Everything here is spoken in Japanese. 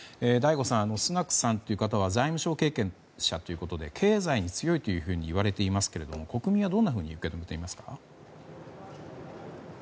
醍醐さん、スナクさんという方は財務相経験者ということで経済に強いといわれていますが国民はどう受け止めていますか？